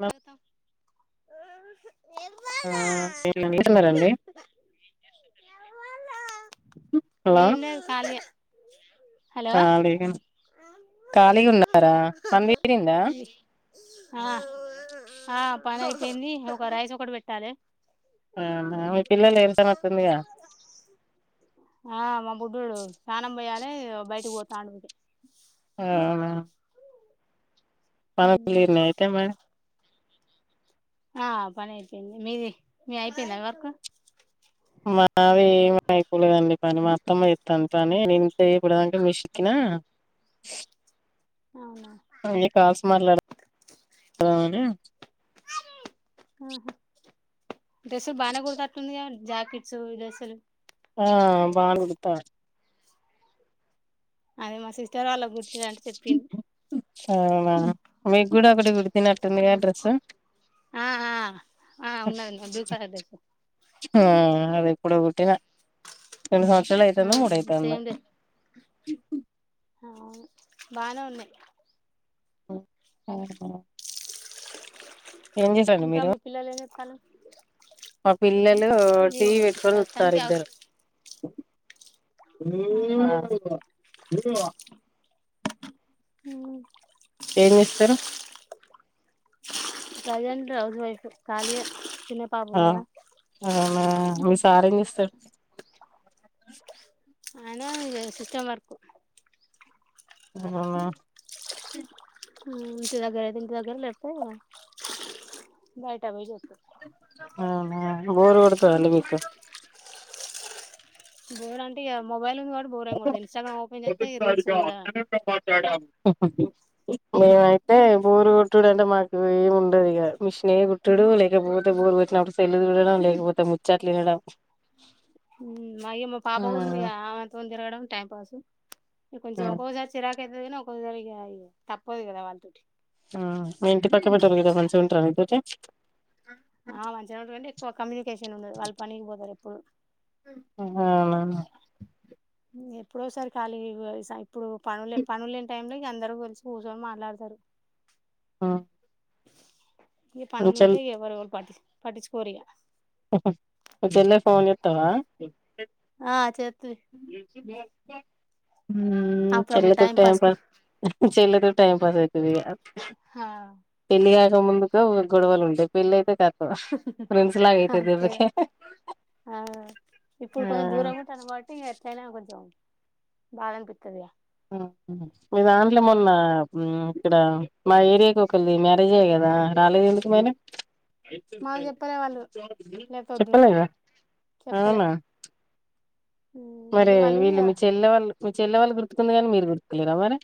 అ ఆ ఏ ఆ తీసుకెళ్లారండి హలో ఏం లేదు ఖాళీయే హలో ఖాళీ ఖాళీగా ఉన్నా ఆ ఆ పని ఎన్ని ఒక రైస్ ఒకటి పెట్టాలి వామ్మో అ పిల్లల ఏ ర్తనట్టున్నారు కదా బయటికి పోతాను అవునా మనకు ఎన్ని ఐటెం లా ఆ పని అయిపోయింది మీది మే అయిపోయింది అది వరకు మావి ఏమి అయిపోలేదండి పని మా అత్తమ్మ చెస్తాను పని నే ఇప్పటిదాకా మిషన్ ఎక్కిన ఆ అవునా మళ్లీ కాల్స్ మాట్లాడ డ్రెస్సులు బాగానే కూతట్టుందియా జాకెట్స్ ఈ డ్రెస్సులు ఆ బాగు కుడతా అదే మా సిస్టర్ వాళ్ళ గుర్తులుంటే చెప్పింది మీక్కూడ అక్కడే కుట్టునట్టుందిగా ఆ డ్రెస్సు ఆ ఆ ఆ ఉన్నది ఉన్నది బ్లూ కలర్ డ్రెస్ ఆ అది ఇప్పుడు కుట్టిన రెండు సంవత్సరాలు అయితుందో, ఉమ్ మూడయితుందో సేమ్ డ్రెస్ ఇ బానే ఉన్నాయి మ్మ్ ఇంకా మీ పిల్లలేం చేస్తున్నారు మా పిల్లలు మీరు టీవీ పెట్టుకొని చూత్తారు ప్రస్తుతానికి హౌస్ ఇద్దరు అవునా [inaudible] మ్మ్ ఏం చేస్తారు ప్రజెంట్ హౌస్ వైఫ్ [unintelligible] చిన్న పాపయ ఆ అవునా మీ సారేం చేస్తారు అదే సిస్టం వర్కు [inaudible] ఇంటి దగ్గర అయితే ఇంటి దగ్గర [unintelligible] బయట వస్తుంది అవును బోరు కొడుతద అండి మీకు బోర అంటే ఇక మొబైల్ ఉంది కాబట్టి బోరెం కొట్టదు ఇన్స్టాగ్రామ్ ఓపెన్ చేస్తే రీల్స్ కూడా ఆహ మేమైతే బోరుగుట్టుడు అంటే మాకు ఏమి ఉండదు ఇక మిషనే గుట్టుడు లేకపోతే [unintelligible] పెట్టినప్పుడు సెల్లులు చూడడం లేకపోతే ముచ్చట్లు వినడం మా అయ్య మా పాప కూడుంది ఇగ అంత తిరగడం టైం పాసు కొంచెం ఒక్కొసారి చిరాకు [unintelligible] ఒక్కోసారి తప్పదు కదా వాళ్ళతోటి ఆ మీ ఇంటి పక్క పెట్టాలి కదా మంచిగుంటార [unintelligible] ఆ మంచిగుంటారండి ఎక్కువ కమ్యూనికేషన్ ఉండదు వాళ్ళు పనికి పోతారు ఎప్పుడు అవునా ఎప్పుడోసారి ఖాళీ ఇప్పుడు పనులే పనులు లేని టైమ్ లో ఇగ అందరం కలిసి కూర్చొని మాట్లాడతారు మ్మ్ ఈ పనులు ఉంటే ఎవరు ఎవరు పటి పట్టించుకోరిగా నిద్దర్లో ఫోన్ ఎత్తవా ఆ చెత్తే మ్మ్ అప్పుడప్పుడు చేయలేదా టైం టైమ్ కు పాస్ చేయలేదా టైంపాస్ [unintelligible] హా పెళ్లి కాకముందు [inaudible] గొడవలు ఉంటాయి పెళ్లి అయితే కత్ ఫిండ్స్ లాగాయి ఆ అంతే ఇప్పుడు ఆ కొంచెం దూరం ఉంటారు [inaudible] బాధనిపిత్తది మీ దాంట్లో మొన్న ఇక్కడ మా ఏరియాకి ఒకళది మ్యారేజీ అయింది ఆ రాలేదు ఎందుకు మేన మాకు చెప్పలే వాళ్ళు లేపోద్దు చెప్పలేద చెప్పలే అవునా మరే ఇగ వాళ్ళు ఇగ వీళ్ళు మీ చెల్లె వాళ్ళు మీ చెల్లె వాళ్ళు గుర్తుకుంది కదా మీరు గుర్తుకులేరా మరి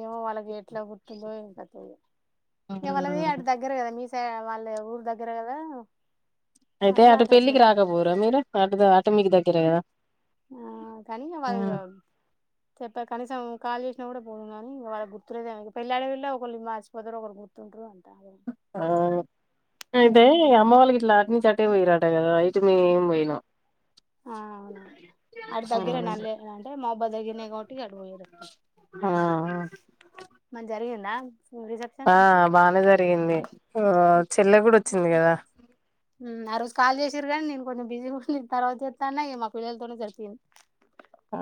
ఏమో వాళ్ళకి ఎట్లా గుర్తుందో ఏమో అసలు ఇగ వాళ్ళది ఆ దగ్గర కదా మీ వాళ్ళ ఊరు దగ్గర కదా అయితే అట్లా అటు పెళ్ళికి అటాచ్మెంట్ రాకపోరా మీరు అటు అటు మీకు దగ్గరే కదా ఆ [inaudible] కనీసం కాల్ చేసిన కూడా కాని వాళ్ళకి గుర్తులేదు పెళ్ళి అయిల్లా వ ఒకళ్ళు మర్చిపోతారు ఒకరు గుర్తుంటారు అ ఆ అయితే ఇగ అమ్మ వాళ్ళకి ఇట్లా అటు నుంచి అట్టే పోయిరాటే కదా మేం పోయినాం ఆ అవునవును ఆడికి దగ్గరే [inaudible] మాబ్బా దగ్గరనే కొటి ఆ [unintelligible] ఆ బానే జరిగింది. చెల్లె కూడా వచ్చింది కదా? ఆ రోజు కాల్ చేసారు కానీ, నేను కొంచెం బిజీగా ఉంటి తర్వాత చేస్తా అన్న ఇక మా పిల్లలతోనే జరిపోయింది. ఆ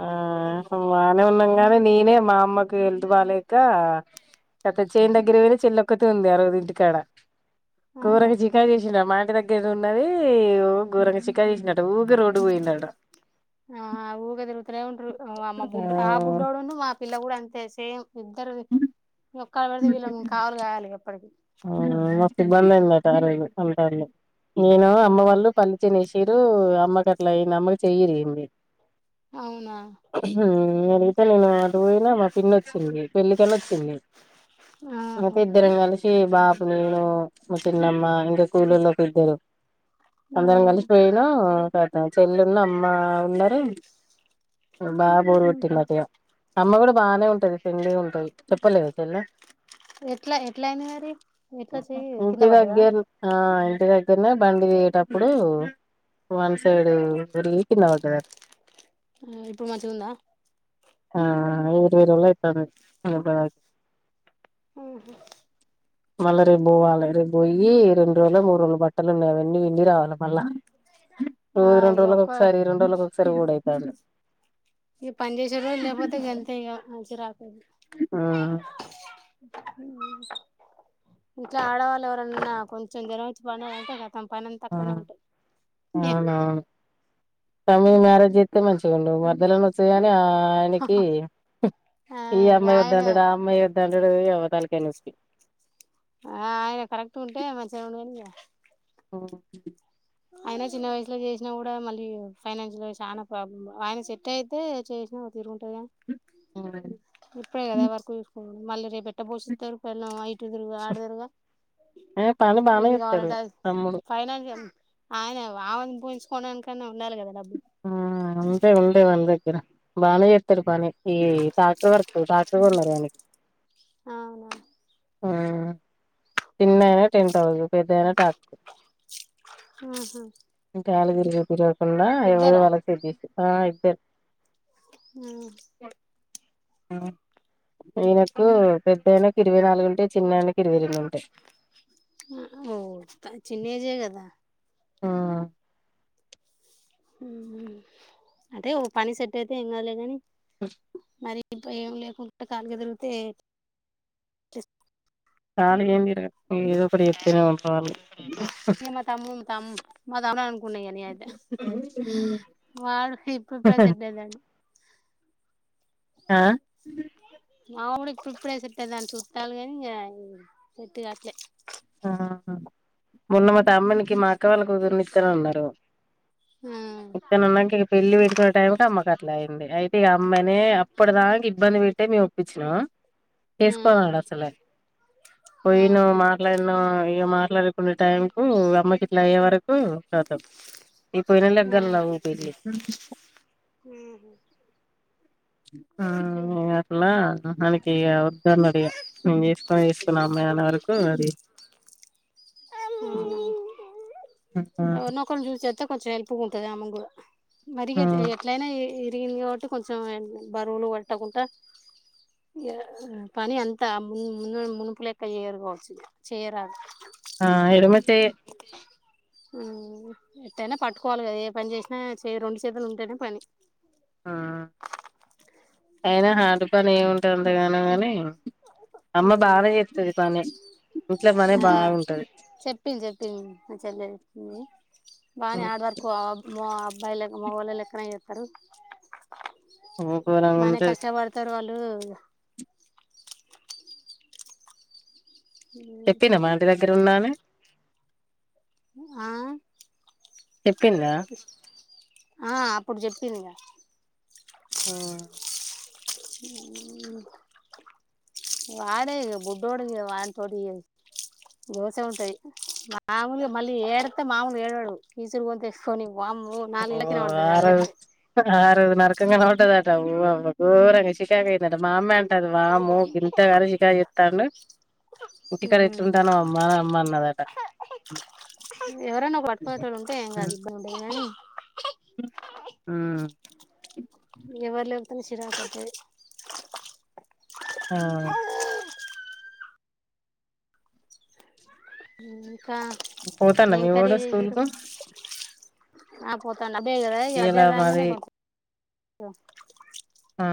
బాగానే ఉన్నాం. గానీ నేనే మా అమ్మకి హెల్త్ బాలేక. అత చేన్ దగ్గరకి పోయింది. చెల్లిఒక్కటే ఉంది ఆరోజు ఇంటికాడ. కూర అవునా కి చికెన్ చేసినా మాయింటి తగ్ ఏద ఉన్నది ఓ ఘోరంగా చికెన్ చేసిండు అంట ఊరకే రోడ్డుకు పోయిండట. ఊరకనే తిరుగుతూనే ఉంటారు. అమ్మ బుడ్డు ఆ బుడ్డోడు మా పిల్ల కూడా అంతే సేమ్ ఇద్దరూ. ఆ మత్త బంద [unintelligible] సరే ఇంక అంటా నేను అమ్మ ఉమ్, వాళ్ళు పని చెస్ [unintelligible] ఇదు అమ్మక అట్లాయింది. అమ్మకు చేయి ఇరిగింది. అవునా? నేను అటు పోయినా, మా పిన్ని వచ్చింది పెళ్ళికని వచ్చింది. ఆహా అందుకే ఇద్దరం కలిసి బాబు, నేను మా చిన్నమ్మ ఇంకా కూలొల్లు ఒక ఇద్దరు ఆ, అందరం కలిసి పోయినా. చెల్లి ను అమ్మ ఉన్నారు బాగా ఉమ్. బోరుకొట్టింది నాకేమో. అమ్మ కూడా బాగానే ఉంటది ఫ్రెండ్లీ గ ఉంటుంది చెప్పలేద చెల్లె. ఎట్లా ఎట్లా అయింది మరి ఎట్లా చెయ్యి కింద ఉంటే పడ్డదా తగ్గేది ఆయ్. ఇంటి దగ్గరనే బండి దిగి. వన్ సైడ్ దొర్లి కిందబడ్డాడట. ఆ ఇప్పుడు మంచిగుందా? ఆ ఇరవై రోజులు అవుతాంది. ఆయన బడి ఉ హూ మళ్ళా రేపు పోవాలి రేపు పోయి రెండు రోజులు మూడు రోజులు బట్టలు ఉన్నావన్నీ పిండి రావాలి మళ్ళా. ఆ రోజు రెండు ఇగ రోజుల ఒక్క ఒకసారి రెండు రోజులకి ఒకసారి పోవుడుయితాంది. ఇక పని చేేసే రోజు లేకపోతే గంత ఇ మంచి రా గీతా. ఇంట్లో ఆడవాళ్ళు ఎవరన్నా కొంచెం దినం వచ్చి పడాలంటే కతం. పనంత తక్కవనే ఉంటుంది అవునవును తమ్మి మ్యారేజ్ చేస్తే మంచిగా ఉండవు మధ్యలోనే వస్తాయిగాని ఆ ఆయనకి, ఆ ఈ అమ్మాయి ఆయన వద్దంటడు, ఆ అమ్మాయి వద్దంటడు ఎవతలి కనుక [unintelligible] ఆ ఆయన కరెక్ట్ ఉంటే మంచి గ ఉండును గా. ఓ [unintelligible] అయిన చిన్న వయసులో చేసినా కూడా మళ్ళీ ఫైనాన్షియల్ ఆబ్ ఆయన సెట్ అయితే చేసినా. తరుగుంటే [unintelligible] హ [inaudible] ఇప్పుడే కదా వర్క్ చూసుకొనుడు మళ్ళీ రేపటి మిష్టర్ పెళ్ళాం ఐతున్నదిగా ఆడుదురుగా. ఏ పని బానే ఏం చేత్తడు కావాలంట అది తమ్ముడు ఫైనాన్షియల్. ఆయన ఆమెను పోషించుకోవడానికన్నా ఉండాలి కదా డబ్బు. ఆ ఉంటాయ్ ఉంటాయ్ వాళ్ల దగ్గర. బాగానే చెప్తారు పని ఈ ట్రాక్టర్ వర్క్ ట్రాక్టర్ కొన్నారు అని. అవునా. చిన్నాయన టెన్త్ చదువు పెద్దాయన ట్రాక్టరు మ్ హు. చాల తిరిగి తిరగకుండా ఎవరి వాళ్ళకి ఇచ్చేసా ఆ ఇచ్చే. మ్ ఈయనకు పెద్ద ఆయనకి ఇరవై నాలుగుంటే చిన్న ఆయనకి ఇరవై రెండుంటా యి. ఇ ష్ ఆ ఓ త చిన్నేజే కదా ఆ మ్మ్ హ్మ్ అదే ఓ పని సెట్ అయితే ఏం కాదులే కాని [unintelligible] ఈ భయం లేకుండా ఖాళీగా తిరిగితే ఖాళీగా ఏం తిరగటంలేదు ఏదో ఒకటి చెప్తూనే ఉంటారు ఇగ మా తమ్ముమ్ తాము్ మాది అదే అనుకున్నా ఇగ నేనైతే మావాడు ఇప్ ఇప్పుడే సెడ్ అయినాను ఆ మావోడు ఇప్పుడిప్పుడే సెటే దాంట్లో చుట్టాలు గాని ఇంగా సెట్ కాట్లే ఆ మొన్న మా తమ్మునికి మా అక్క వాళ్ళ కూతుర్ని ఇస్తానన్నారు ఆ ఇస్తానన్నంక ఇక పెళ్ళి పెట్టుకునే టైం కి ఆమెకి అట్లా అయ్యింది అయి తే అమ్మాని అప్పటిదాకా ఇబ్బంది పెట్టే మేము ఒప్పించినాము ఆ చేసుకోనన్నాడు అసలే ఆహా పోయిన ఆ మా ఇట్లాన్నో ఇగ మాట్లాడుకునే టైంకు అమ్మకి ఇట్లా అయ్యే వరకు కతం ఈ పెళ్లిళ్ల దగ్గర లవ్ పెళ్లి ఆ ఇగ అట్లా మనకి ఇక వొద్దన్నారు ఇగ నేను చేసుకొనే చేసుకొను అమ్మాయి అనరు ఎవరి అవునా అఆ చెత్తే కొంచెం హెల్ప్‌గుంటది ఆమెకుడా మరిగా ఎట్లయినా దీని కాబట్టి కొంచెం బరువులు పట్టకుండా ఇంగ పని అంతా ము ము మునుపు లెక్క చెయ్యరు కావచ్చు ఇంగ చేయరాదు ఆ ఎడమ చెయే హ్మ్ ఎట్టైనా పట్టుకోవాలి కదా ఏ పని చేసినా చే రెండు సేతులు ఉంటేనే పని ఆ అయినా హార్డ్ పని ఏముంటే అంతగాన గాని అమ్మ బాగా చేత్తాది పని ఇంట్లో పనే ఆ బాగుంటది చెప్పింది చెప్పింది మా చెల్లే చెప్పింది బానే హార్డ్ వర్కు మా అబ్బాయిలేక మొగోల్ల లెక్కనే చెత్తారు ఘోరంగా బానే ఉంటది కష్టపడతారు వాళ్ళు చెప్పిందా మా ఇంటి దగ్గర ఉన్న అని ఆ చెప్పిందా ఆ అప్పుడు చెప్పిందిగా మ్మ్ ఉమ్మ్ వాడే ఇగ బుడ్డోడు ఇగ వానితోటి రోషం ఉంటది మామూలుగా మళ్ళీ ఏడితే మామూలుగా ఏడవాడు ఈసురు గొంతు ఏస్కోని మ్మ్ ఆరోజు ఆరోజు నర కం కనపడ్డదట ఓ ఘోరంగా చికాకు అయ్యిందట మా అమ్మే వామ్మో గింత అరిజికాయ్ చెప్తాండు ఇంటిక్కడ ఉమ్ ఎట్లుంటానావ్ అమ్మా, అమ్మ అన్నదట ఎవరనా ఒక పట్టుకునేటోళ్ళు ఉంటే ఏం కాదు ఇబ్బంది ఉండేది కానీ హ్మ్ ఎవర్లేగ్తేనే సిరాక్అయితది ఆ మ్మ్ పోతాండ మీవోడు స్కూల్ కు ఆ పోతాండు అబే కదా ఇగ ఇయ్యాల అజా రాంగానే మాది పోతా ఆ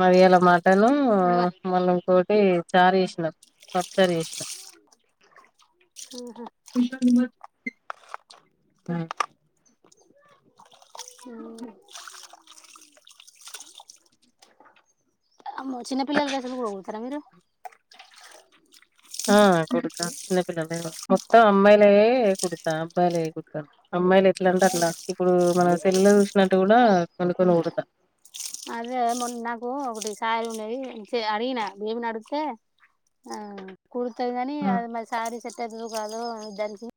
మరి ఇయ్యాల మటను ఇవ మల్ల ఇంకో అ చార్ చేసినారు పప్పుచారి చేసినారు ఆహ ఆ ఈ అమ్ చిన్నపిల్ల సలుతారా మీరు ఆ కుడుతాను చిన్నపిల్లలు మొత్తం అమ్మాయిలయ కుడతాను అబ్బాయిలయ కుడతాను అమ్మాయిలు ఎట్లంటే అట్లా ఇప్పుడు మన సెల్ చూసినట్టు కూడా కొను కొని ఊడతా అదే మొకు ఒకటి స ఉండయి అడిగిన బేబ అడుతే ఆవు కుడుతుంది కానీ హ్మ్. అది మరి శారీ సెట్ అవుతుంది కాదు అ దానికి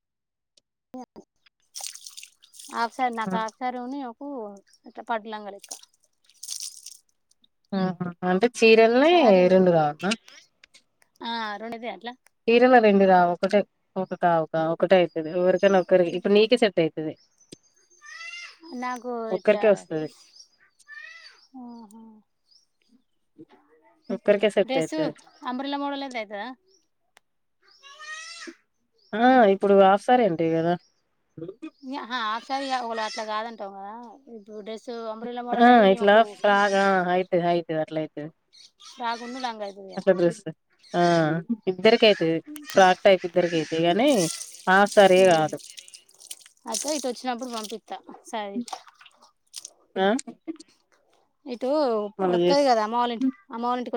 ఆసారి నాకు హ్మ్. ఆసారిని ఒక పడ్లా కడి ఇక్క ఆ అంటే చీరలనే శారీ రెండు కావన్నా ఆ అరుణిది అట్లా తీరనా రెండి రా ఒకటే ఒకట ఒక ఒకటే అవుతుది ఎవరికైనా ఒకరికి ఇప్పుడు నీక సెట్ అవుతుది కు ఒక్కరికే ఇట్లాహ వస్తది. ఒక్కరికే సెట్ డ్రెస్సు అయితది. అమ్రల మోడల్ ఎంత అవుతుందా ఆ ఇప్పుడు ఆసారేంటిడి కదా ఆర ఉ అట్లా కాదంటవ ఇప్పు ఆ ఇట్లా ఫ్రాగ హైట్ హైట్ అట్లయితు బాగున్నలంగా అదవయ ఆ ఇద్దరక ప్రాక్ట్ అయిపు ఇద్దరికైతే గాని ఆ సరే కాదు అద ఇయితే వచ్చినప్పుడు పంపిస్తా సర ఆ ఇటు మళ్ళ వత్ది చేస్ కదా అమ్మ వాళ్ళ ఇంటి అమ్మవళ్ంటికి